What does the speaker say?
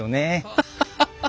ハハハハハ！